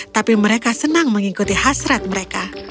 tapi mereka senang mengikuti hasrat mereka